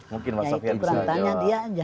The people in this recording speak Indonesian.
ya itu berantanya dia aja